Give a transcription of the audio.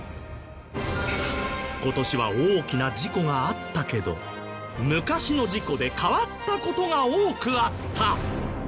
今年は大きな事故があったけど昔の事故で変わった事が多くあった。